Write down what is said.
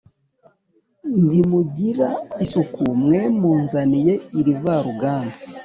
Ntimugira isuku mwe munzaniye irivaruganda!